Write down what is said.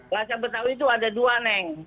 bahasa betawi itu ada dua neng